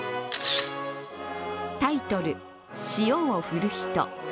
タイトル、塩を振る人。